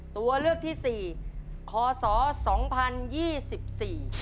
ตัวเลือกที่๔คศ๒๐๒๔